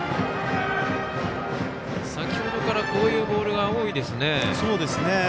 先ほどからこういうボールが多いですね。